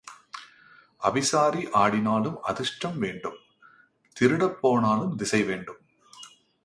அவிசாரி ஆடினாலும் அதிர்ஷ்டம் வேண்டும் திருடப் போனாலும் திசை வேண்டும்.